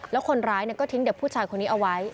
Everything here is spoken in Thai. แล้วคนร้ายก็ทิ้งเด็กผู้ชายคนนี้เอาไว้